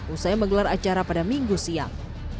usai menggelar acara pada minggu siang